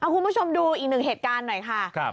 คุณผู้ชมดูอีกหนึ่งเหตุการณ์หน่อยค่ะ